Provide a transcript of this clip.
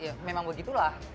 ya memang begitulah